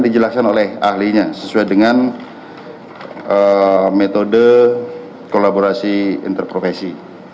dijelaskan oleh ahlinya sesuai dengan metode kolaborasi interprofesi